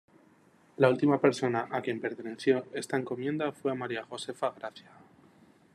La última persona a quien perteneció esta encomienda fue a María Josefa Gracia.